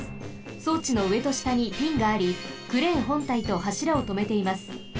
そうちのうえとしたにピンがありクレーンほんたいとはしらをとめています。